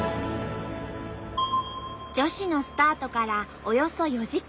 女子のスタートからおよそ４時間。